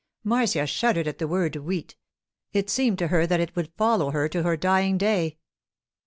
Marcia shuddered at the word 'wheat.' It seemed to her that it would follow her to her dying day.